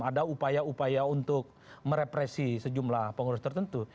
ada upaya upaya untuk merepresi sejumlah pengurus tertentu